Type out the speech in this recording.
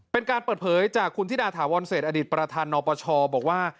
เป็นการเปิดเผยจากคุณธิดาถาวรเศษอดีตประธานนปชบอกว่า